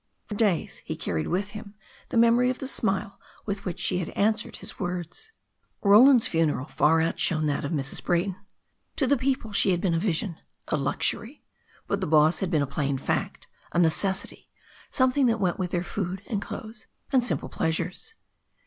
For days he carried with him the memory of the smile with which she had answered his words. Roland's funeral far outshone that of Mrs. Brayton. To the people she had been a vision, a luxury; but the boss had been a plain fact, a necessity, something that went with their food and clothes and simple pleasures.